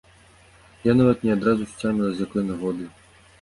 Я нават не адразу сцяміла з якой нагоды.